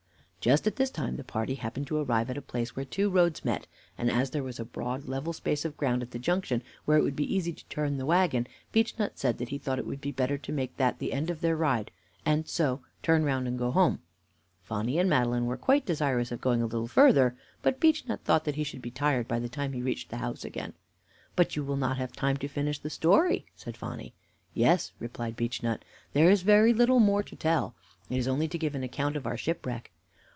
Just at this time the party happened to arrive at a place where two roads met, and as there was a broad and level space of ground at the junction, where it would be easy to turn the wagon, Beechnut said that he thought it would be better to make that the end of their ride, and so turn round and go home. Phonny and Madeline were quite desirous of going a little farther, but Beechnut thought that he should be tired by the time he reached the house again. "But you will not have time to finish the story," said Phonny. "Yes," replied Beechnut; "there is very little more to tell. It is only to give an account of our shipwreck."